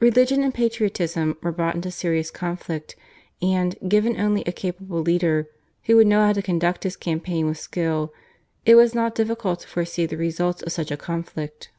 Religion and patriotism were brought into serious conflict, and, given only a capable leader who would know how to conduct his campaign with skill, it was not difficult to foresee the results of such a conflict.